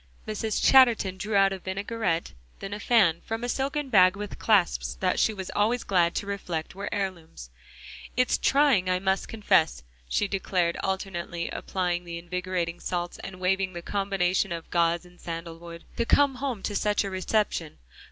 Mrs. Chatterton drew out a vinaigrette, then a fan from a silken bag, with clasps that she was always glad to reflect were heirlooms. "It's trying, I must confess," she declared, alternately applying the invigorating salts and waving the combination of gauze and sandalwood, "to come home to such a reception.